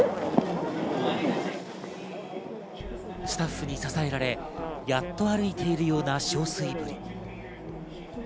スタッフに支えられ、やっと歩いているような憔悴ぶり。